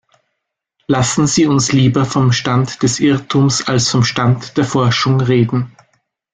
Lassen Sie uns lieber vom Stand des Irrtums als vom Stand der Forschung reden.